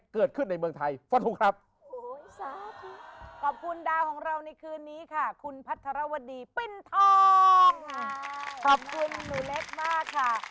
ขอบคุณดาวของเราในคืนนี้ค่ะคุณพัทรวดีปิ้นทองขอบคุณหนูเล็กมากค่ะ